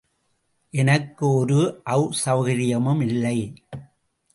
எனக்கு ஒரு அசெளகரியமுமில்லை.